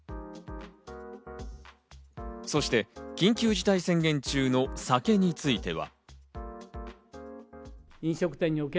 そして緊急事態宣言中の酒については。